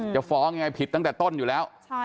จะฟ้องยังไงผิดตั้งแต่ต้นอยู่แล้ว